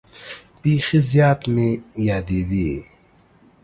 بیخي زیات مې یادېدې.